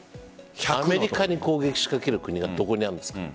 アメリカへ攻撃仕掛ける国はどこにあるんですか。